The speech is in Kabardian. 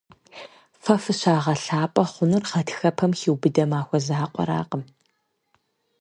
Фэ фыщагъэлъапӀэ хъунур гъатхэпэм хиубыдэ махуэ закъуэракъым.